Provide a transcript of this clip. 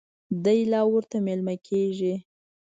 دی لا ورته مېلمه کېږي.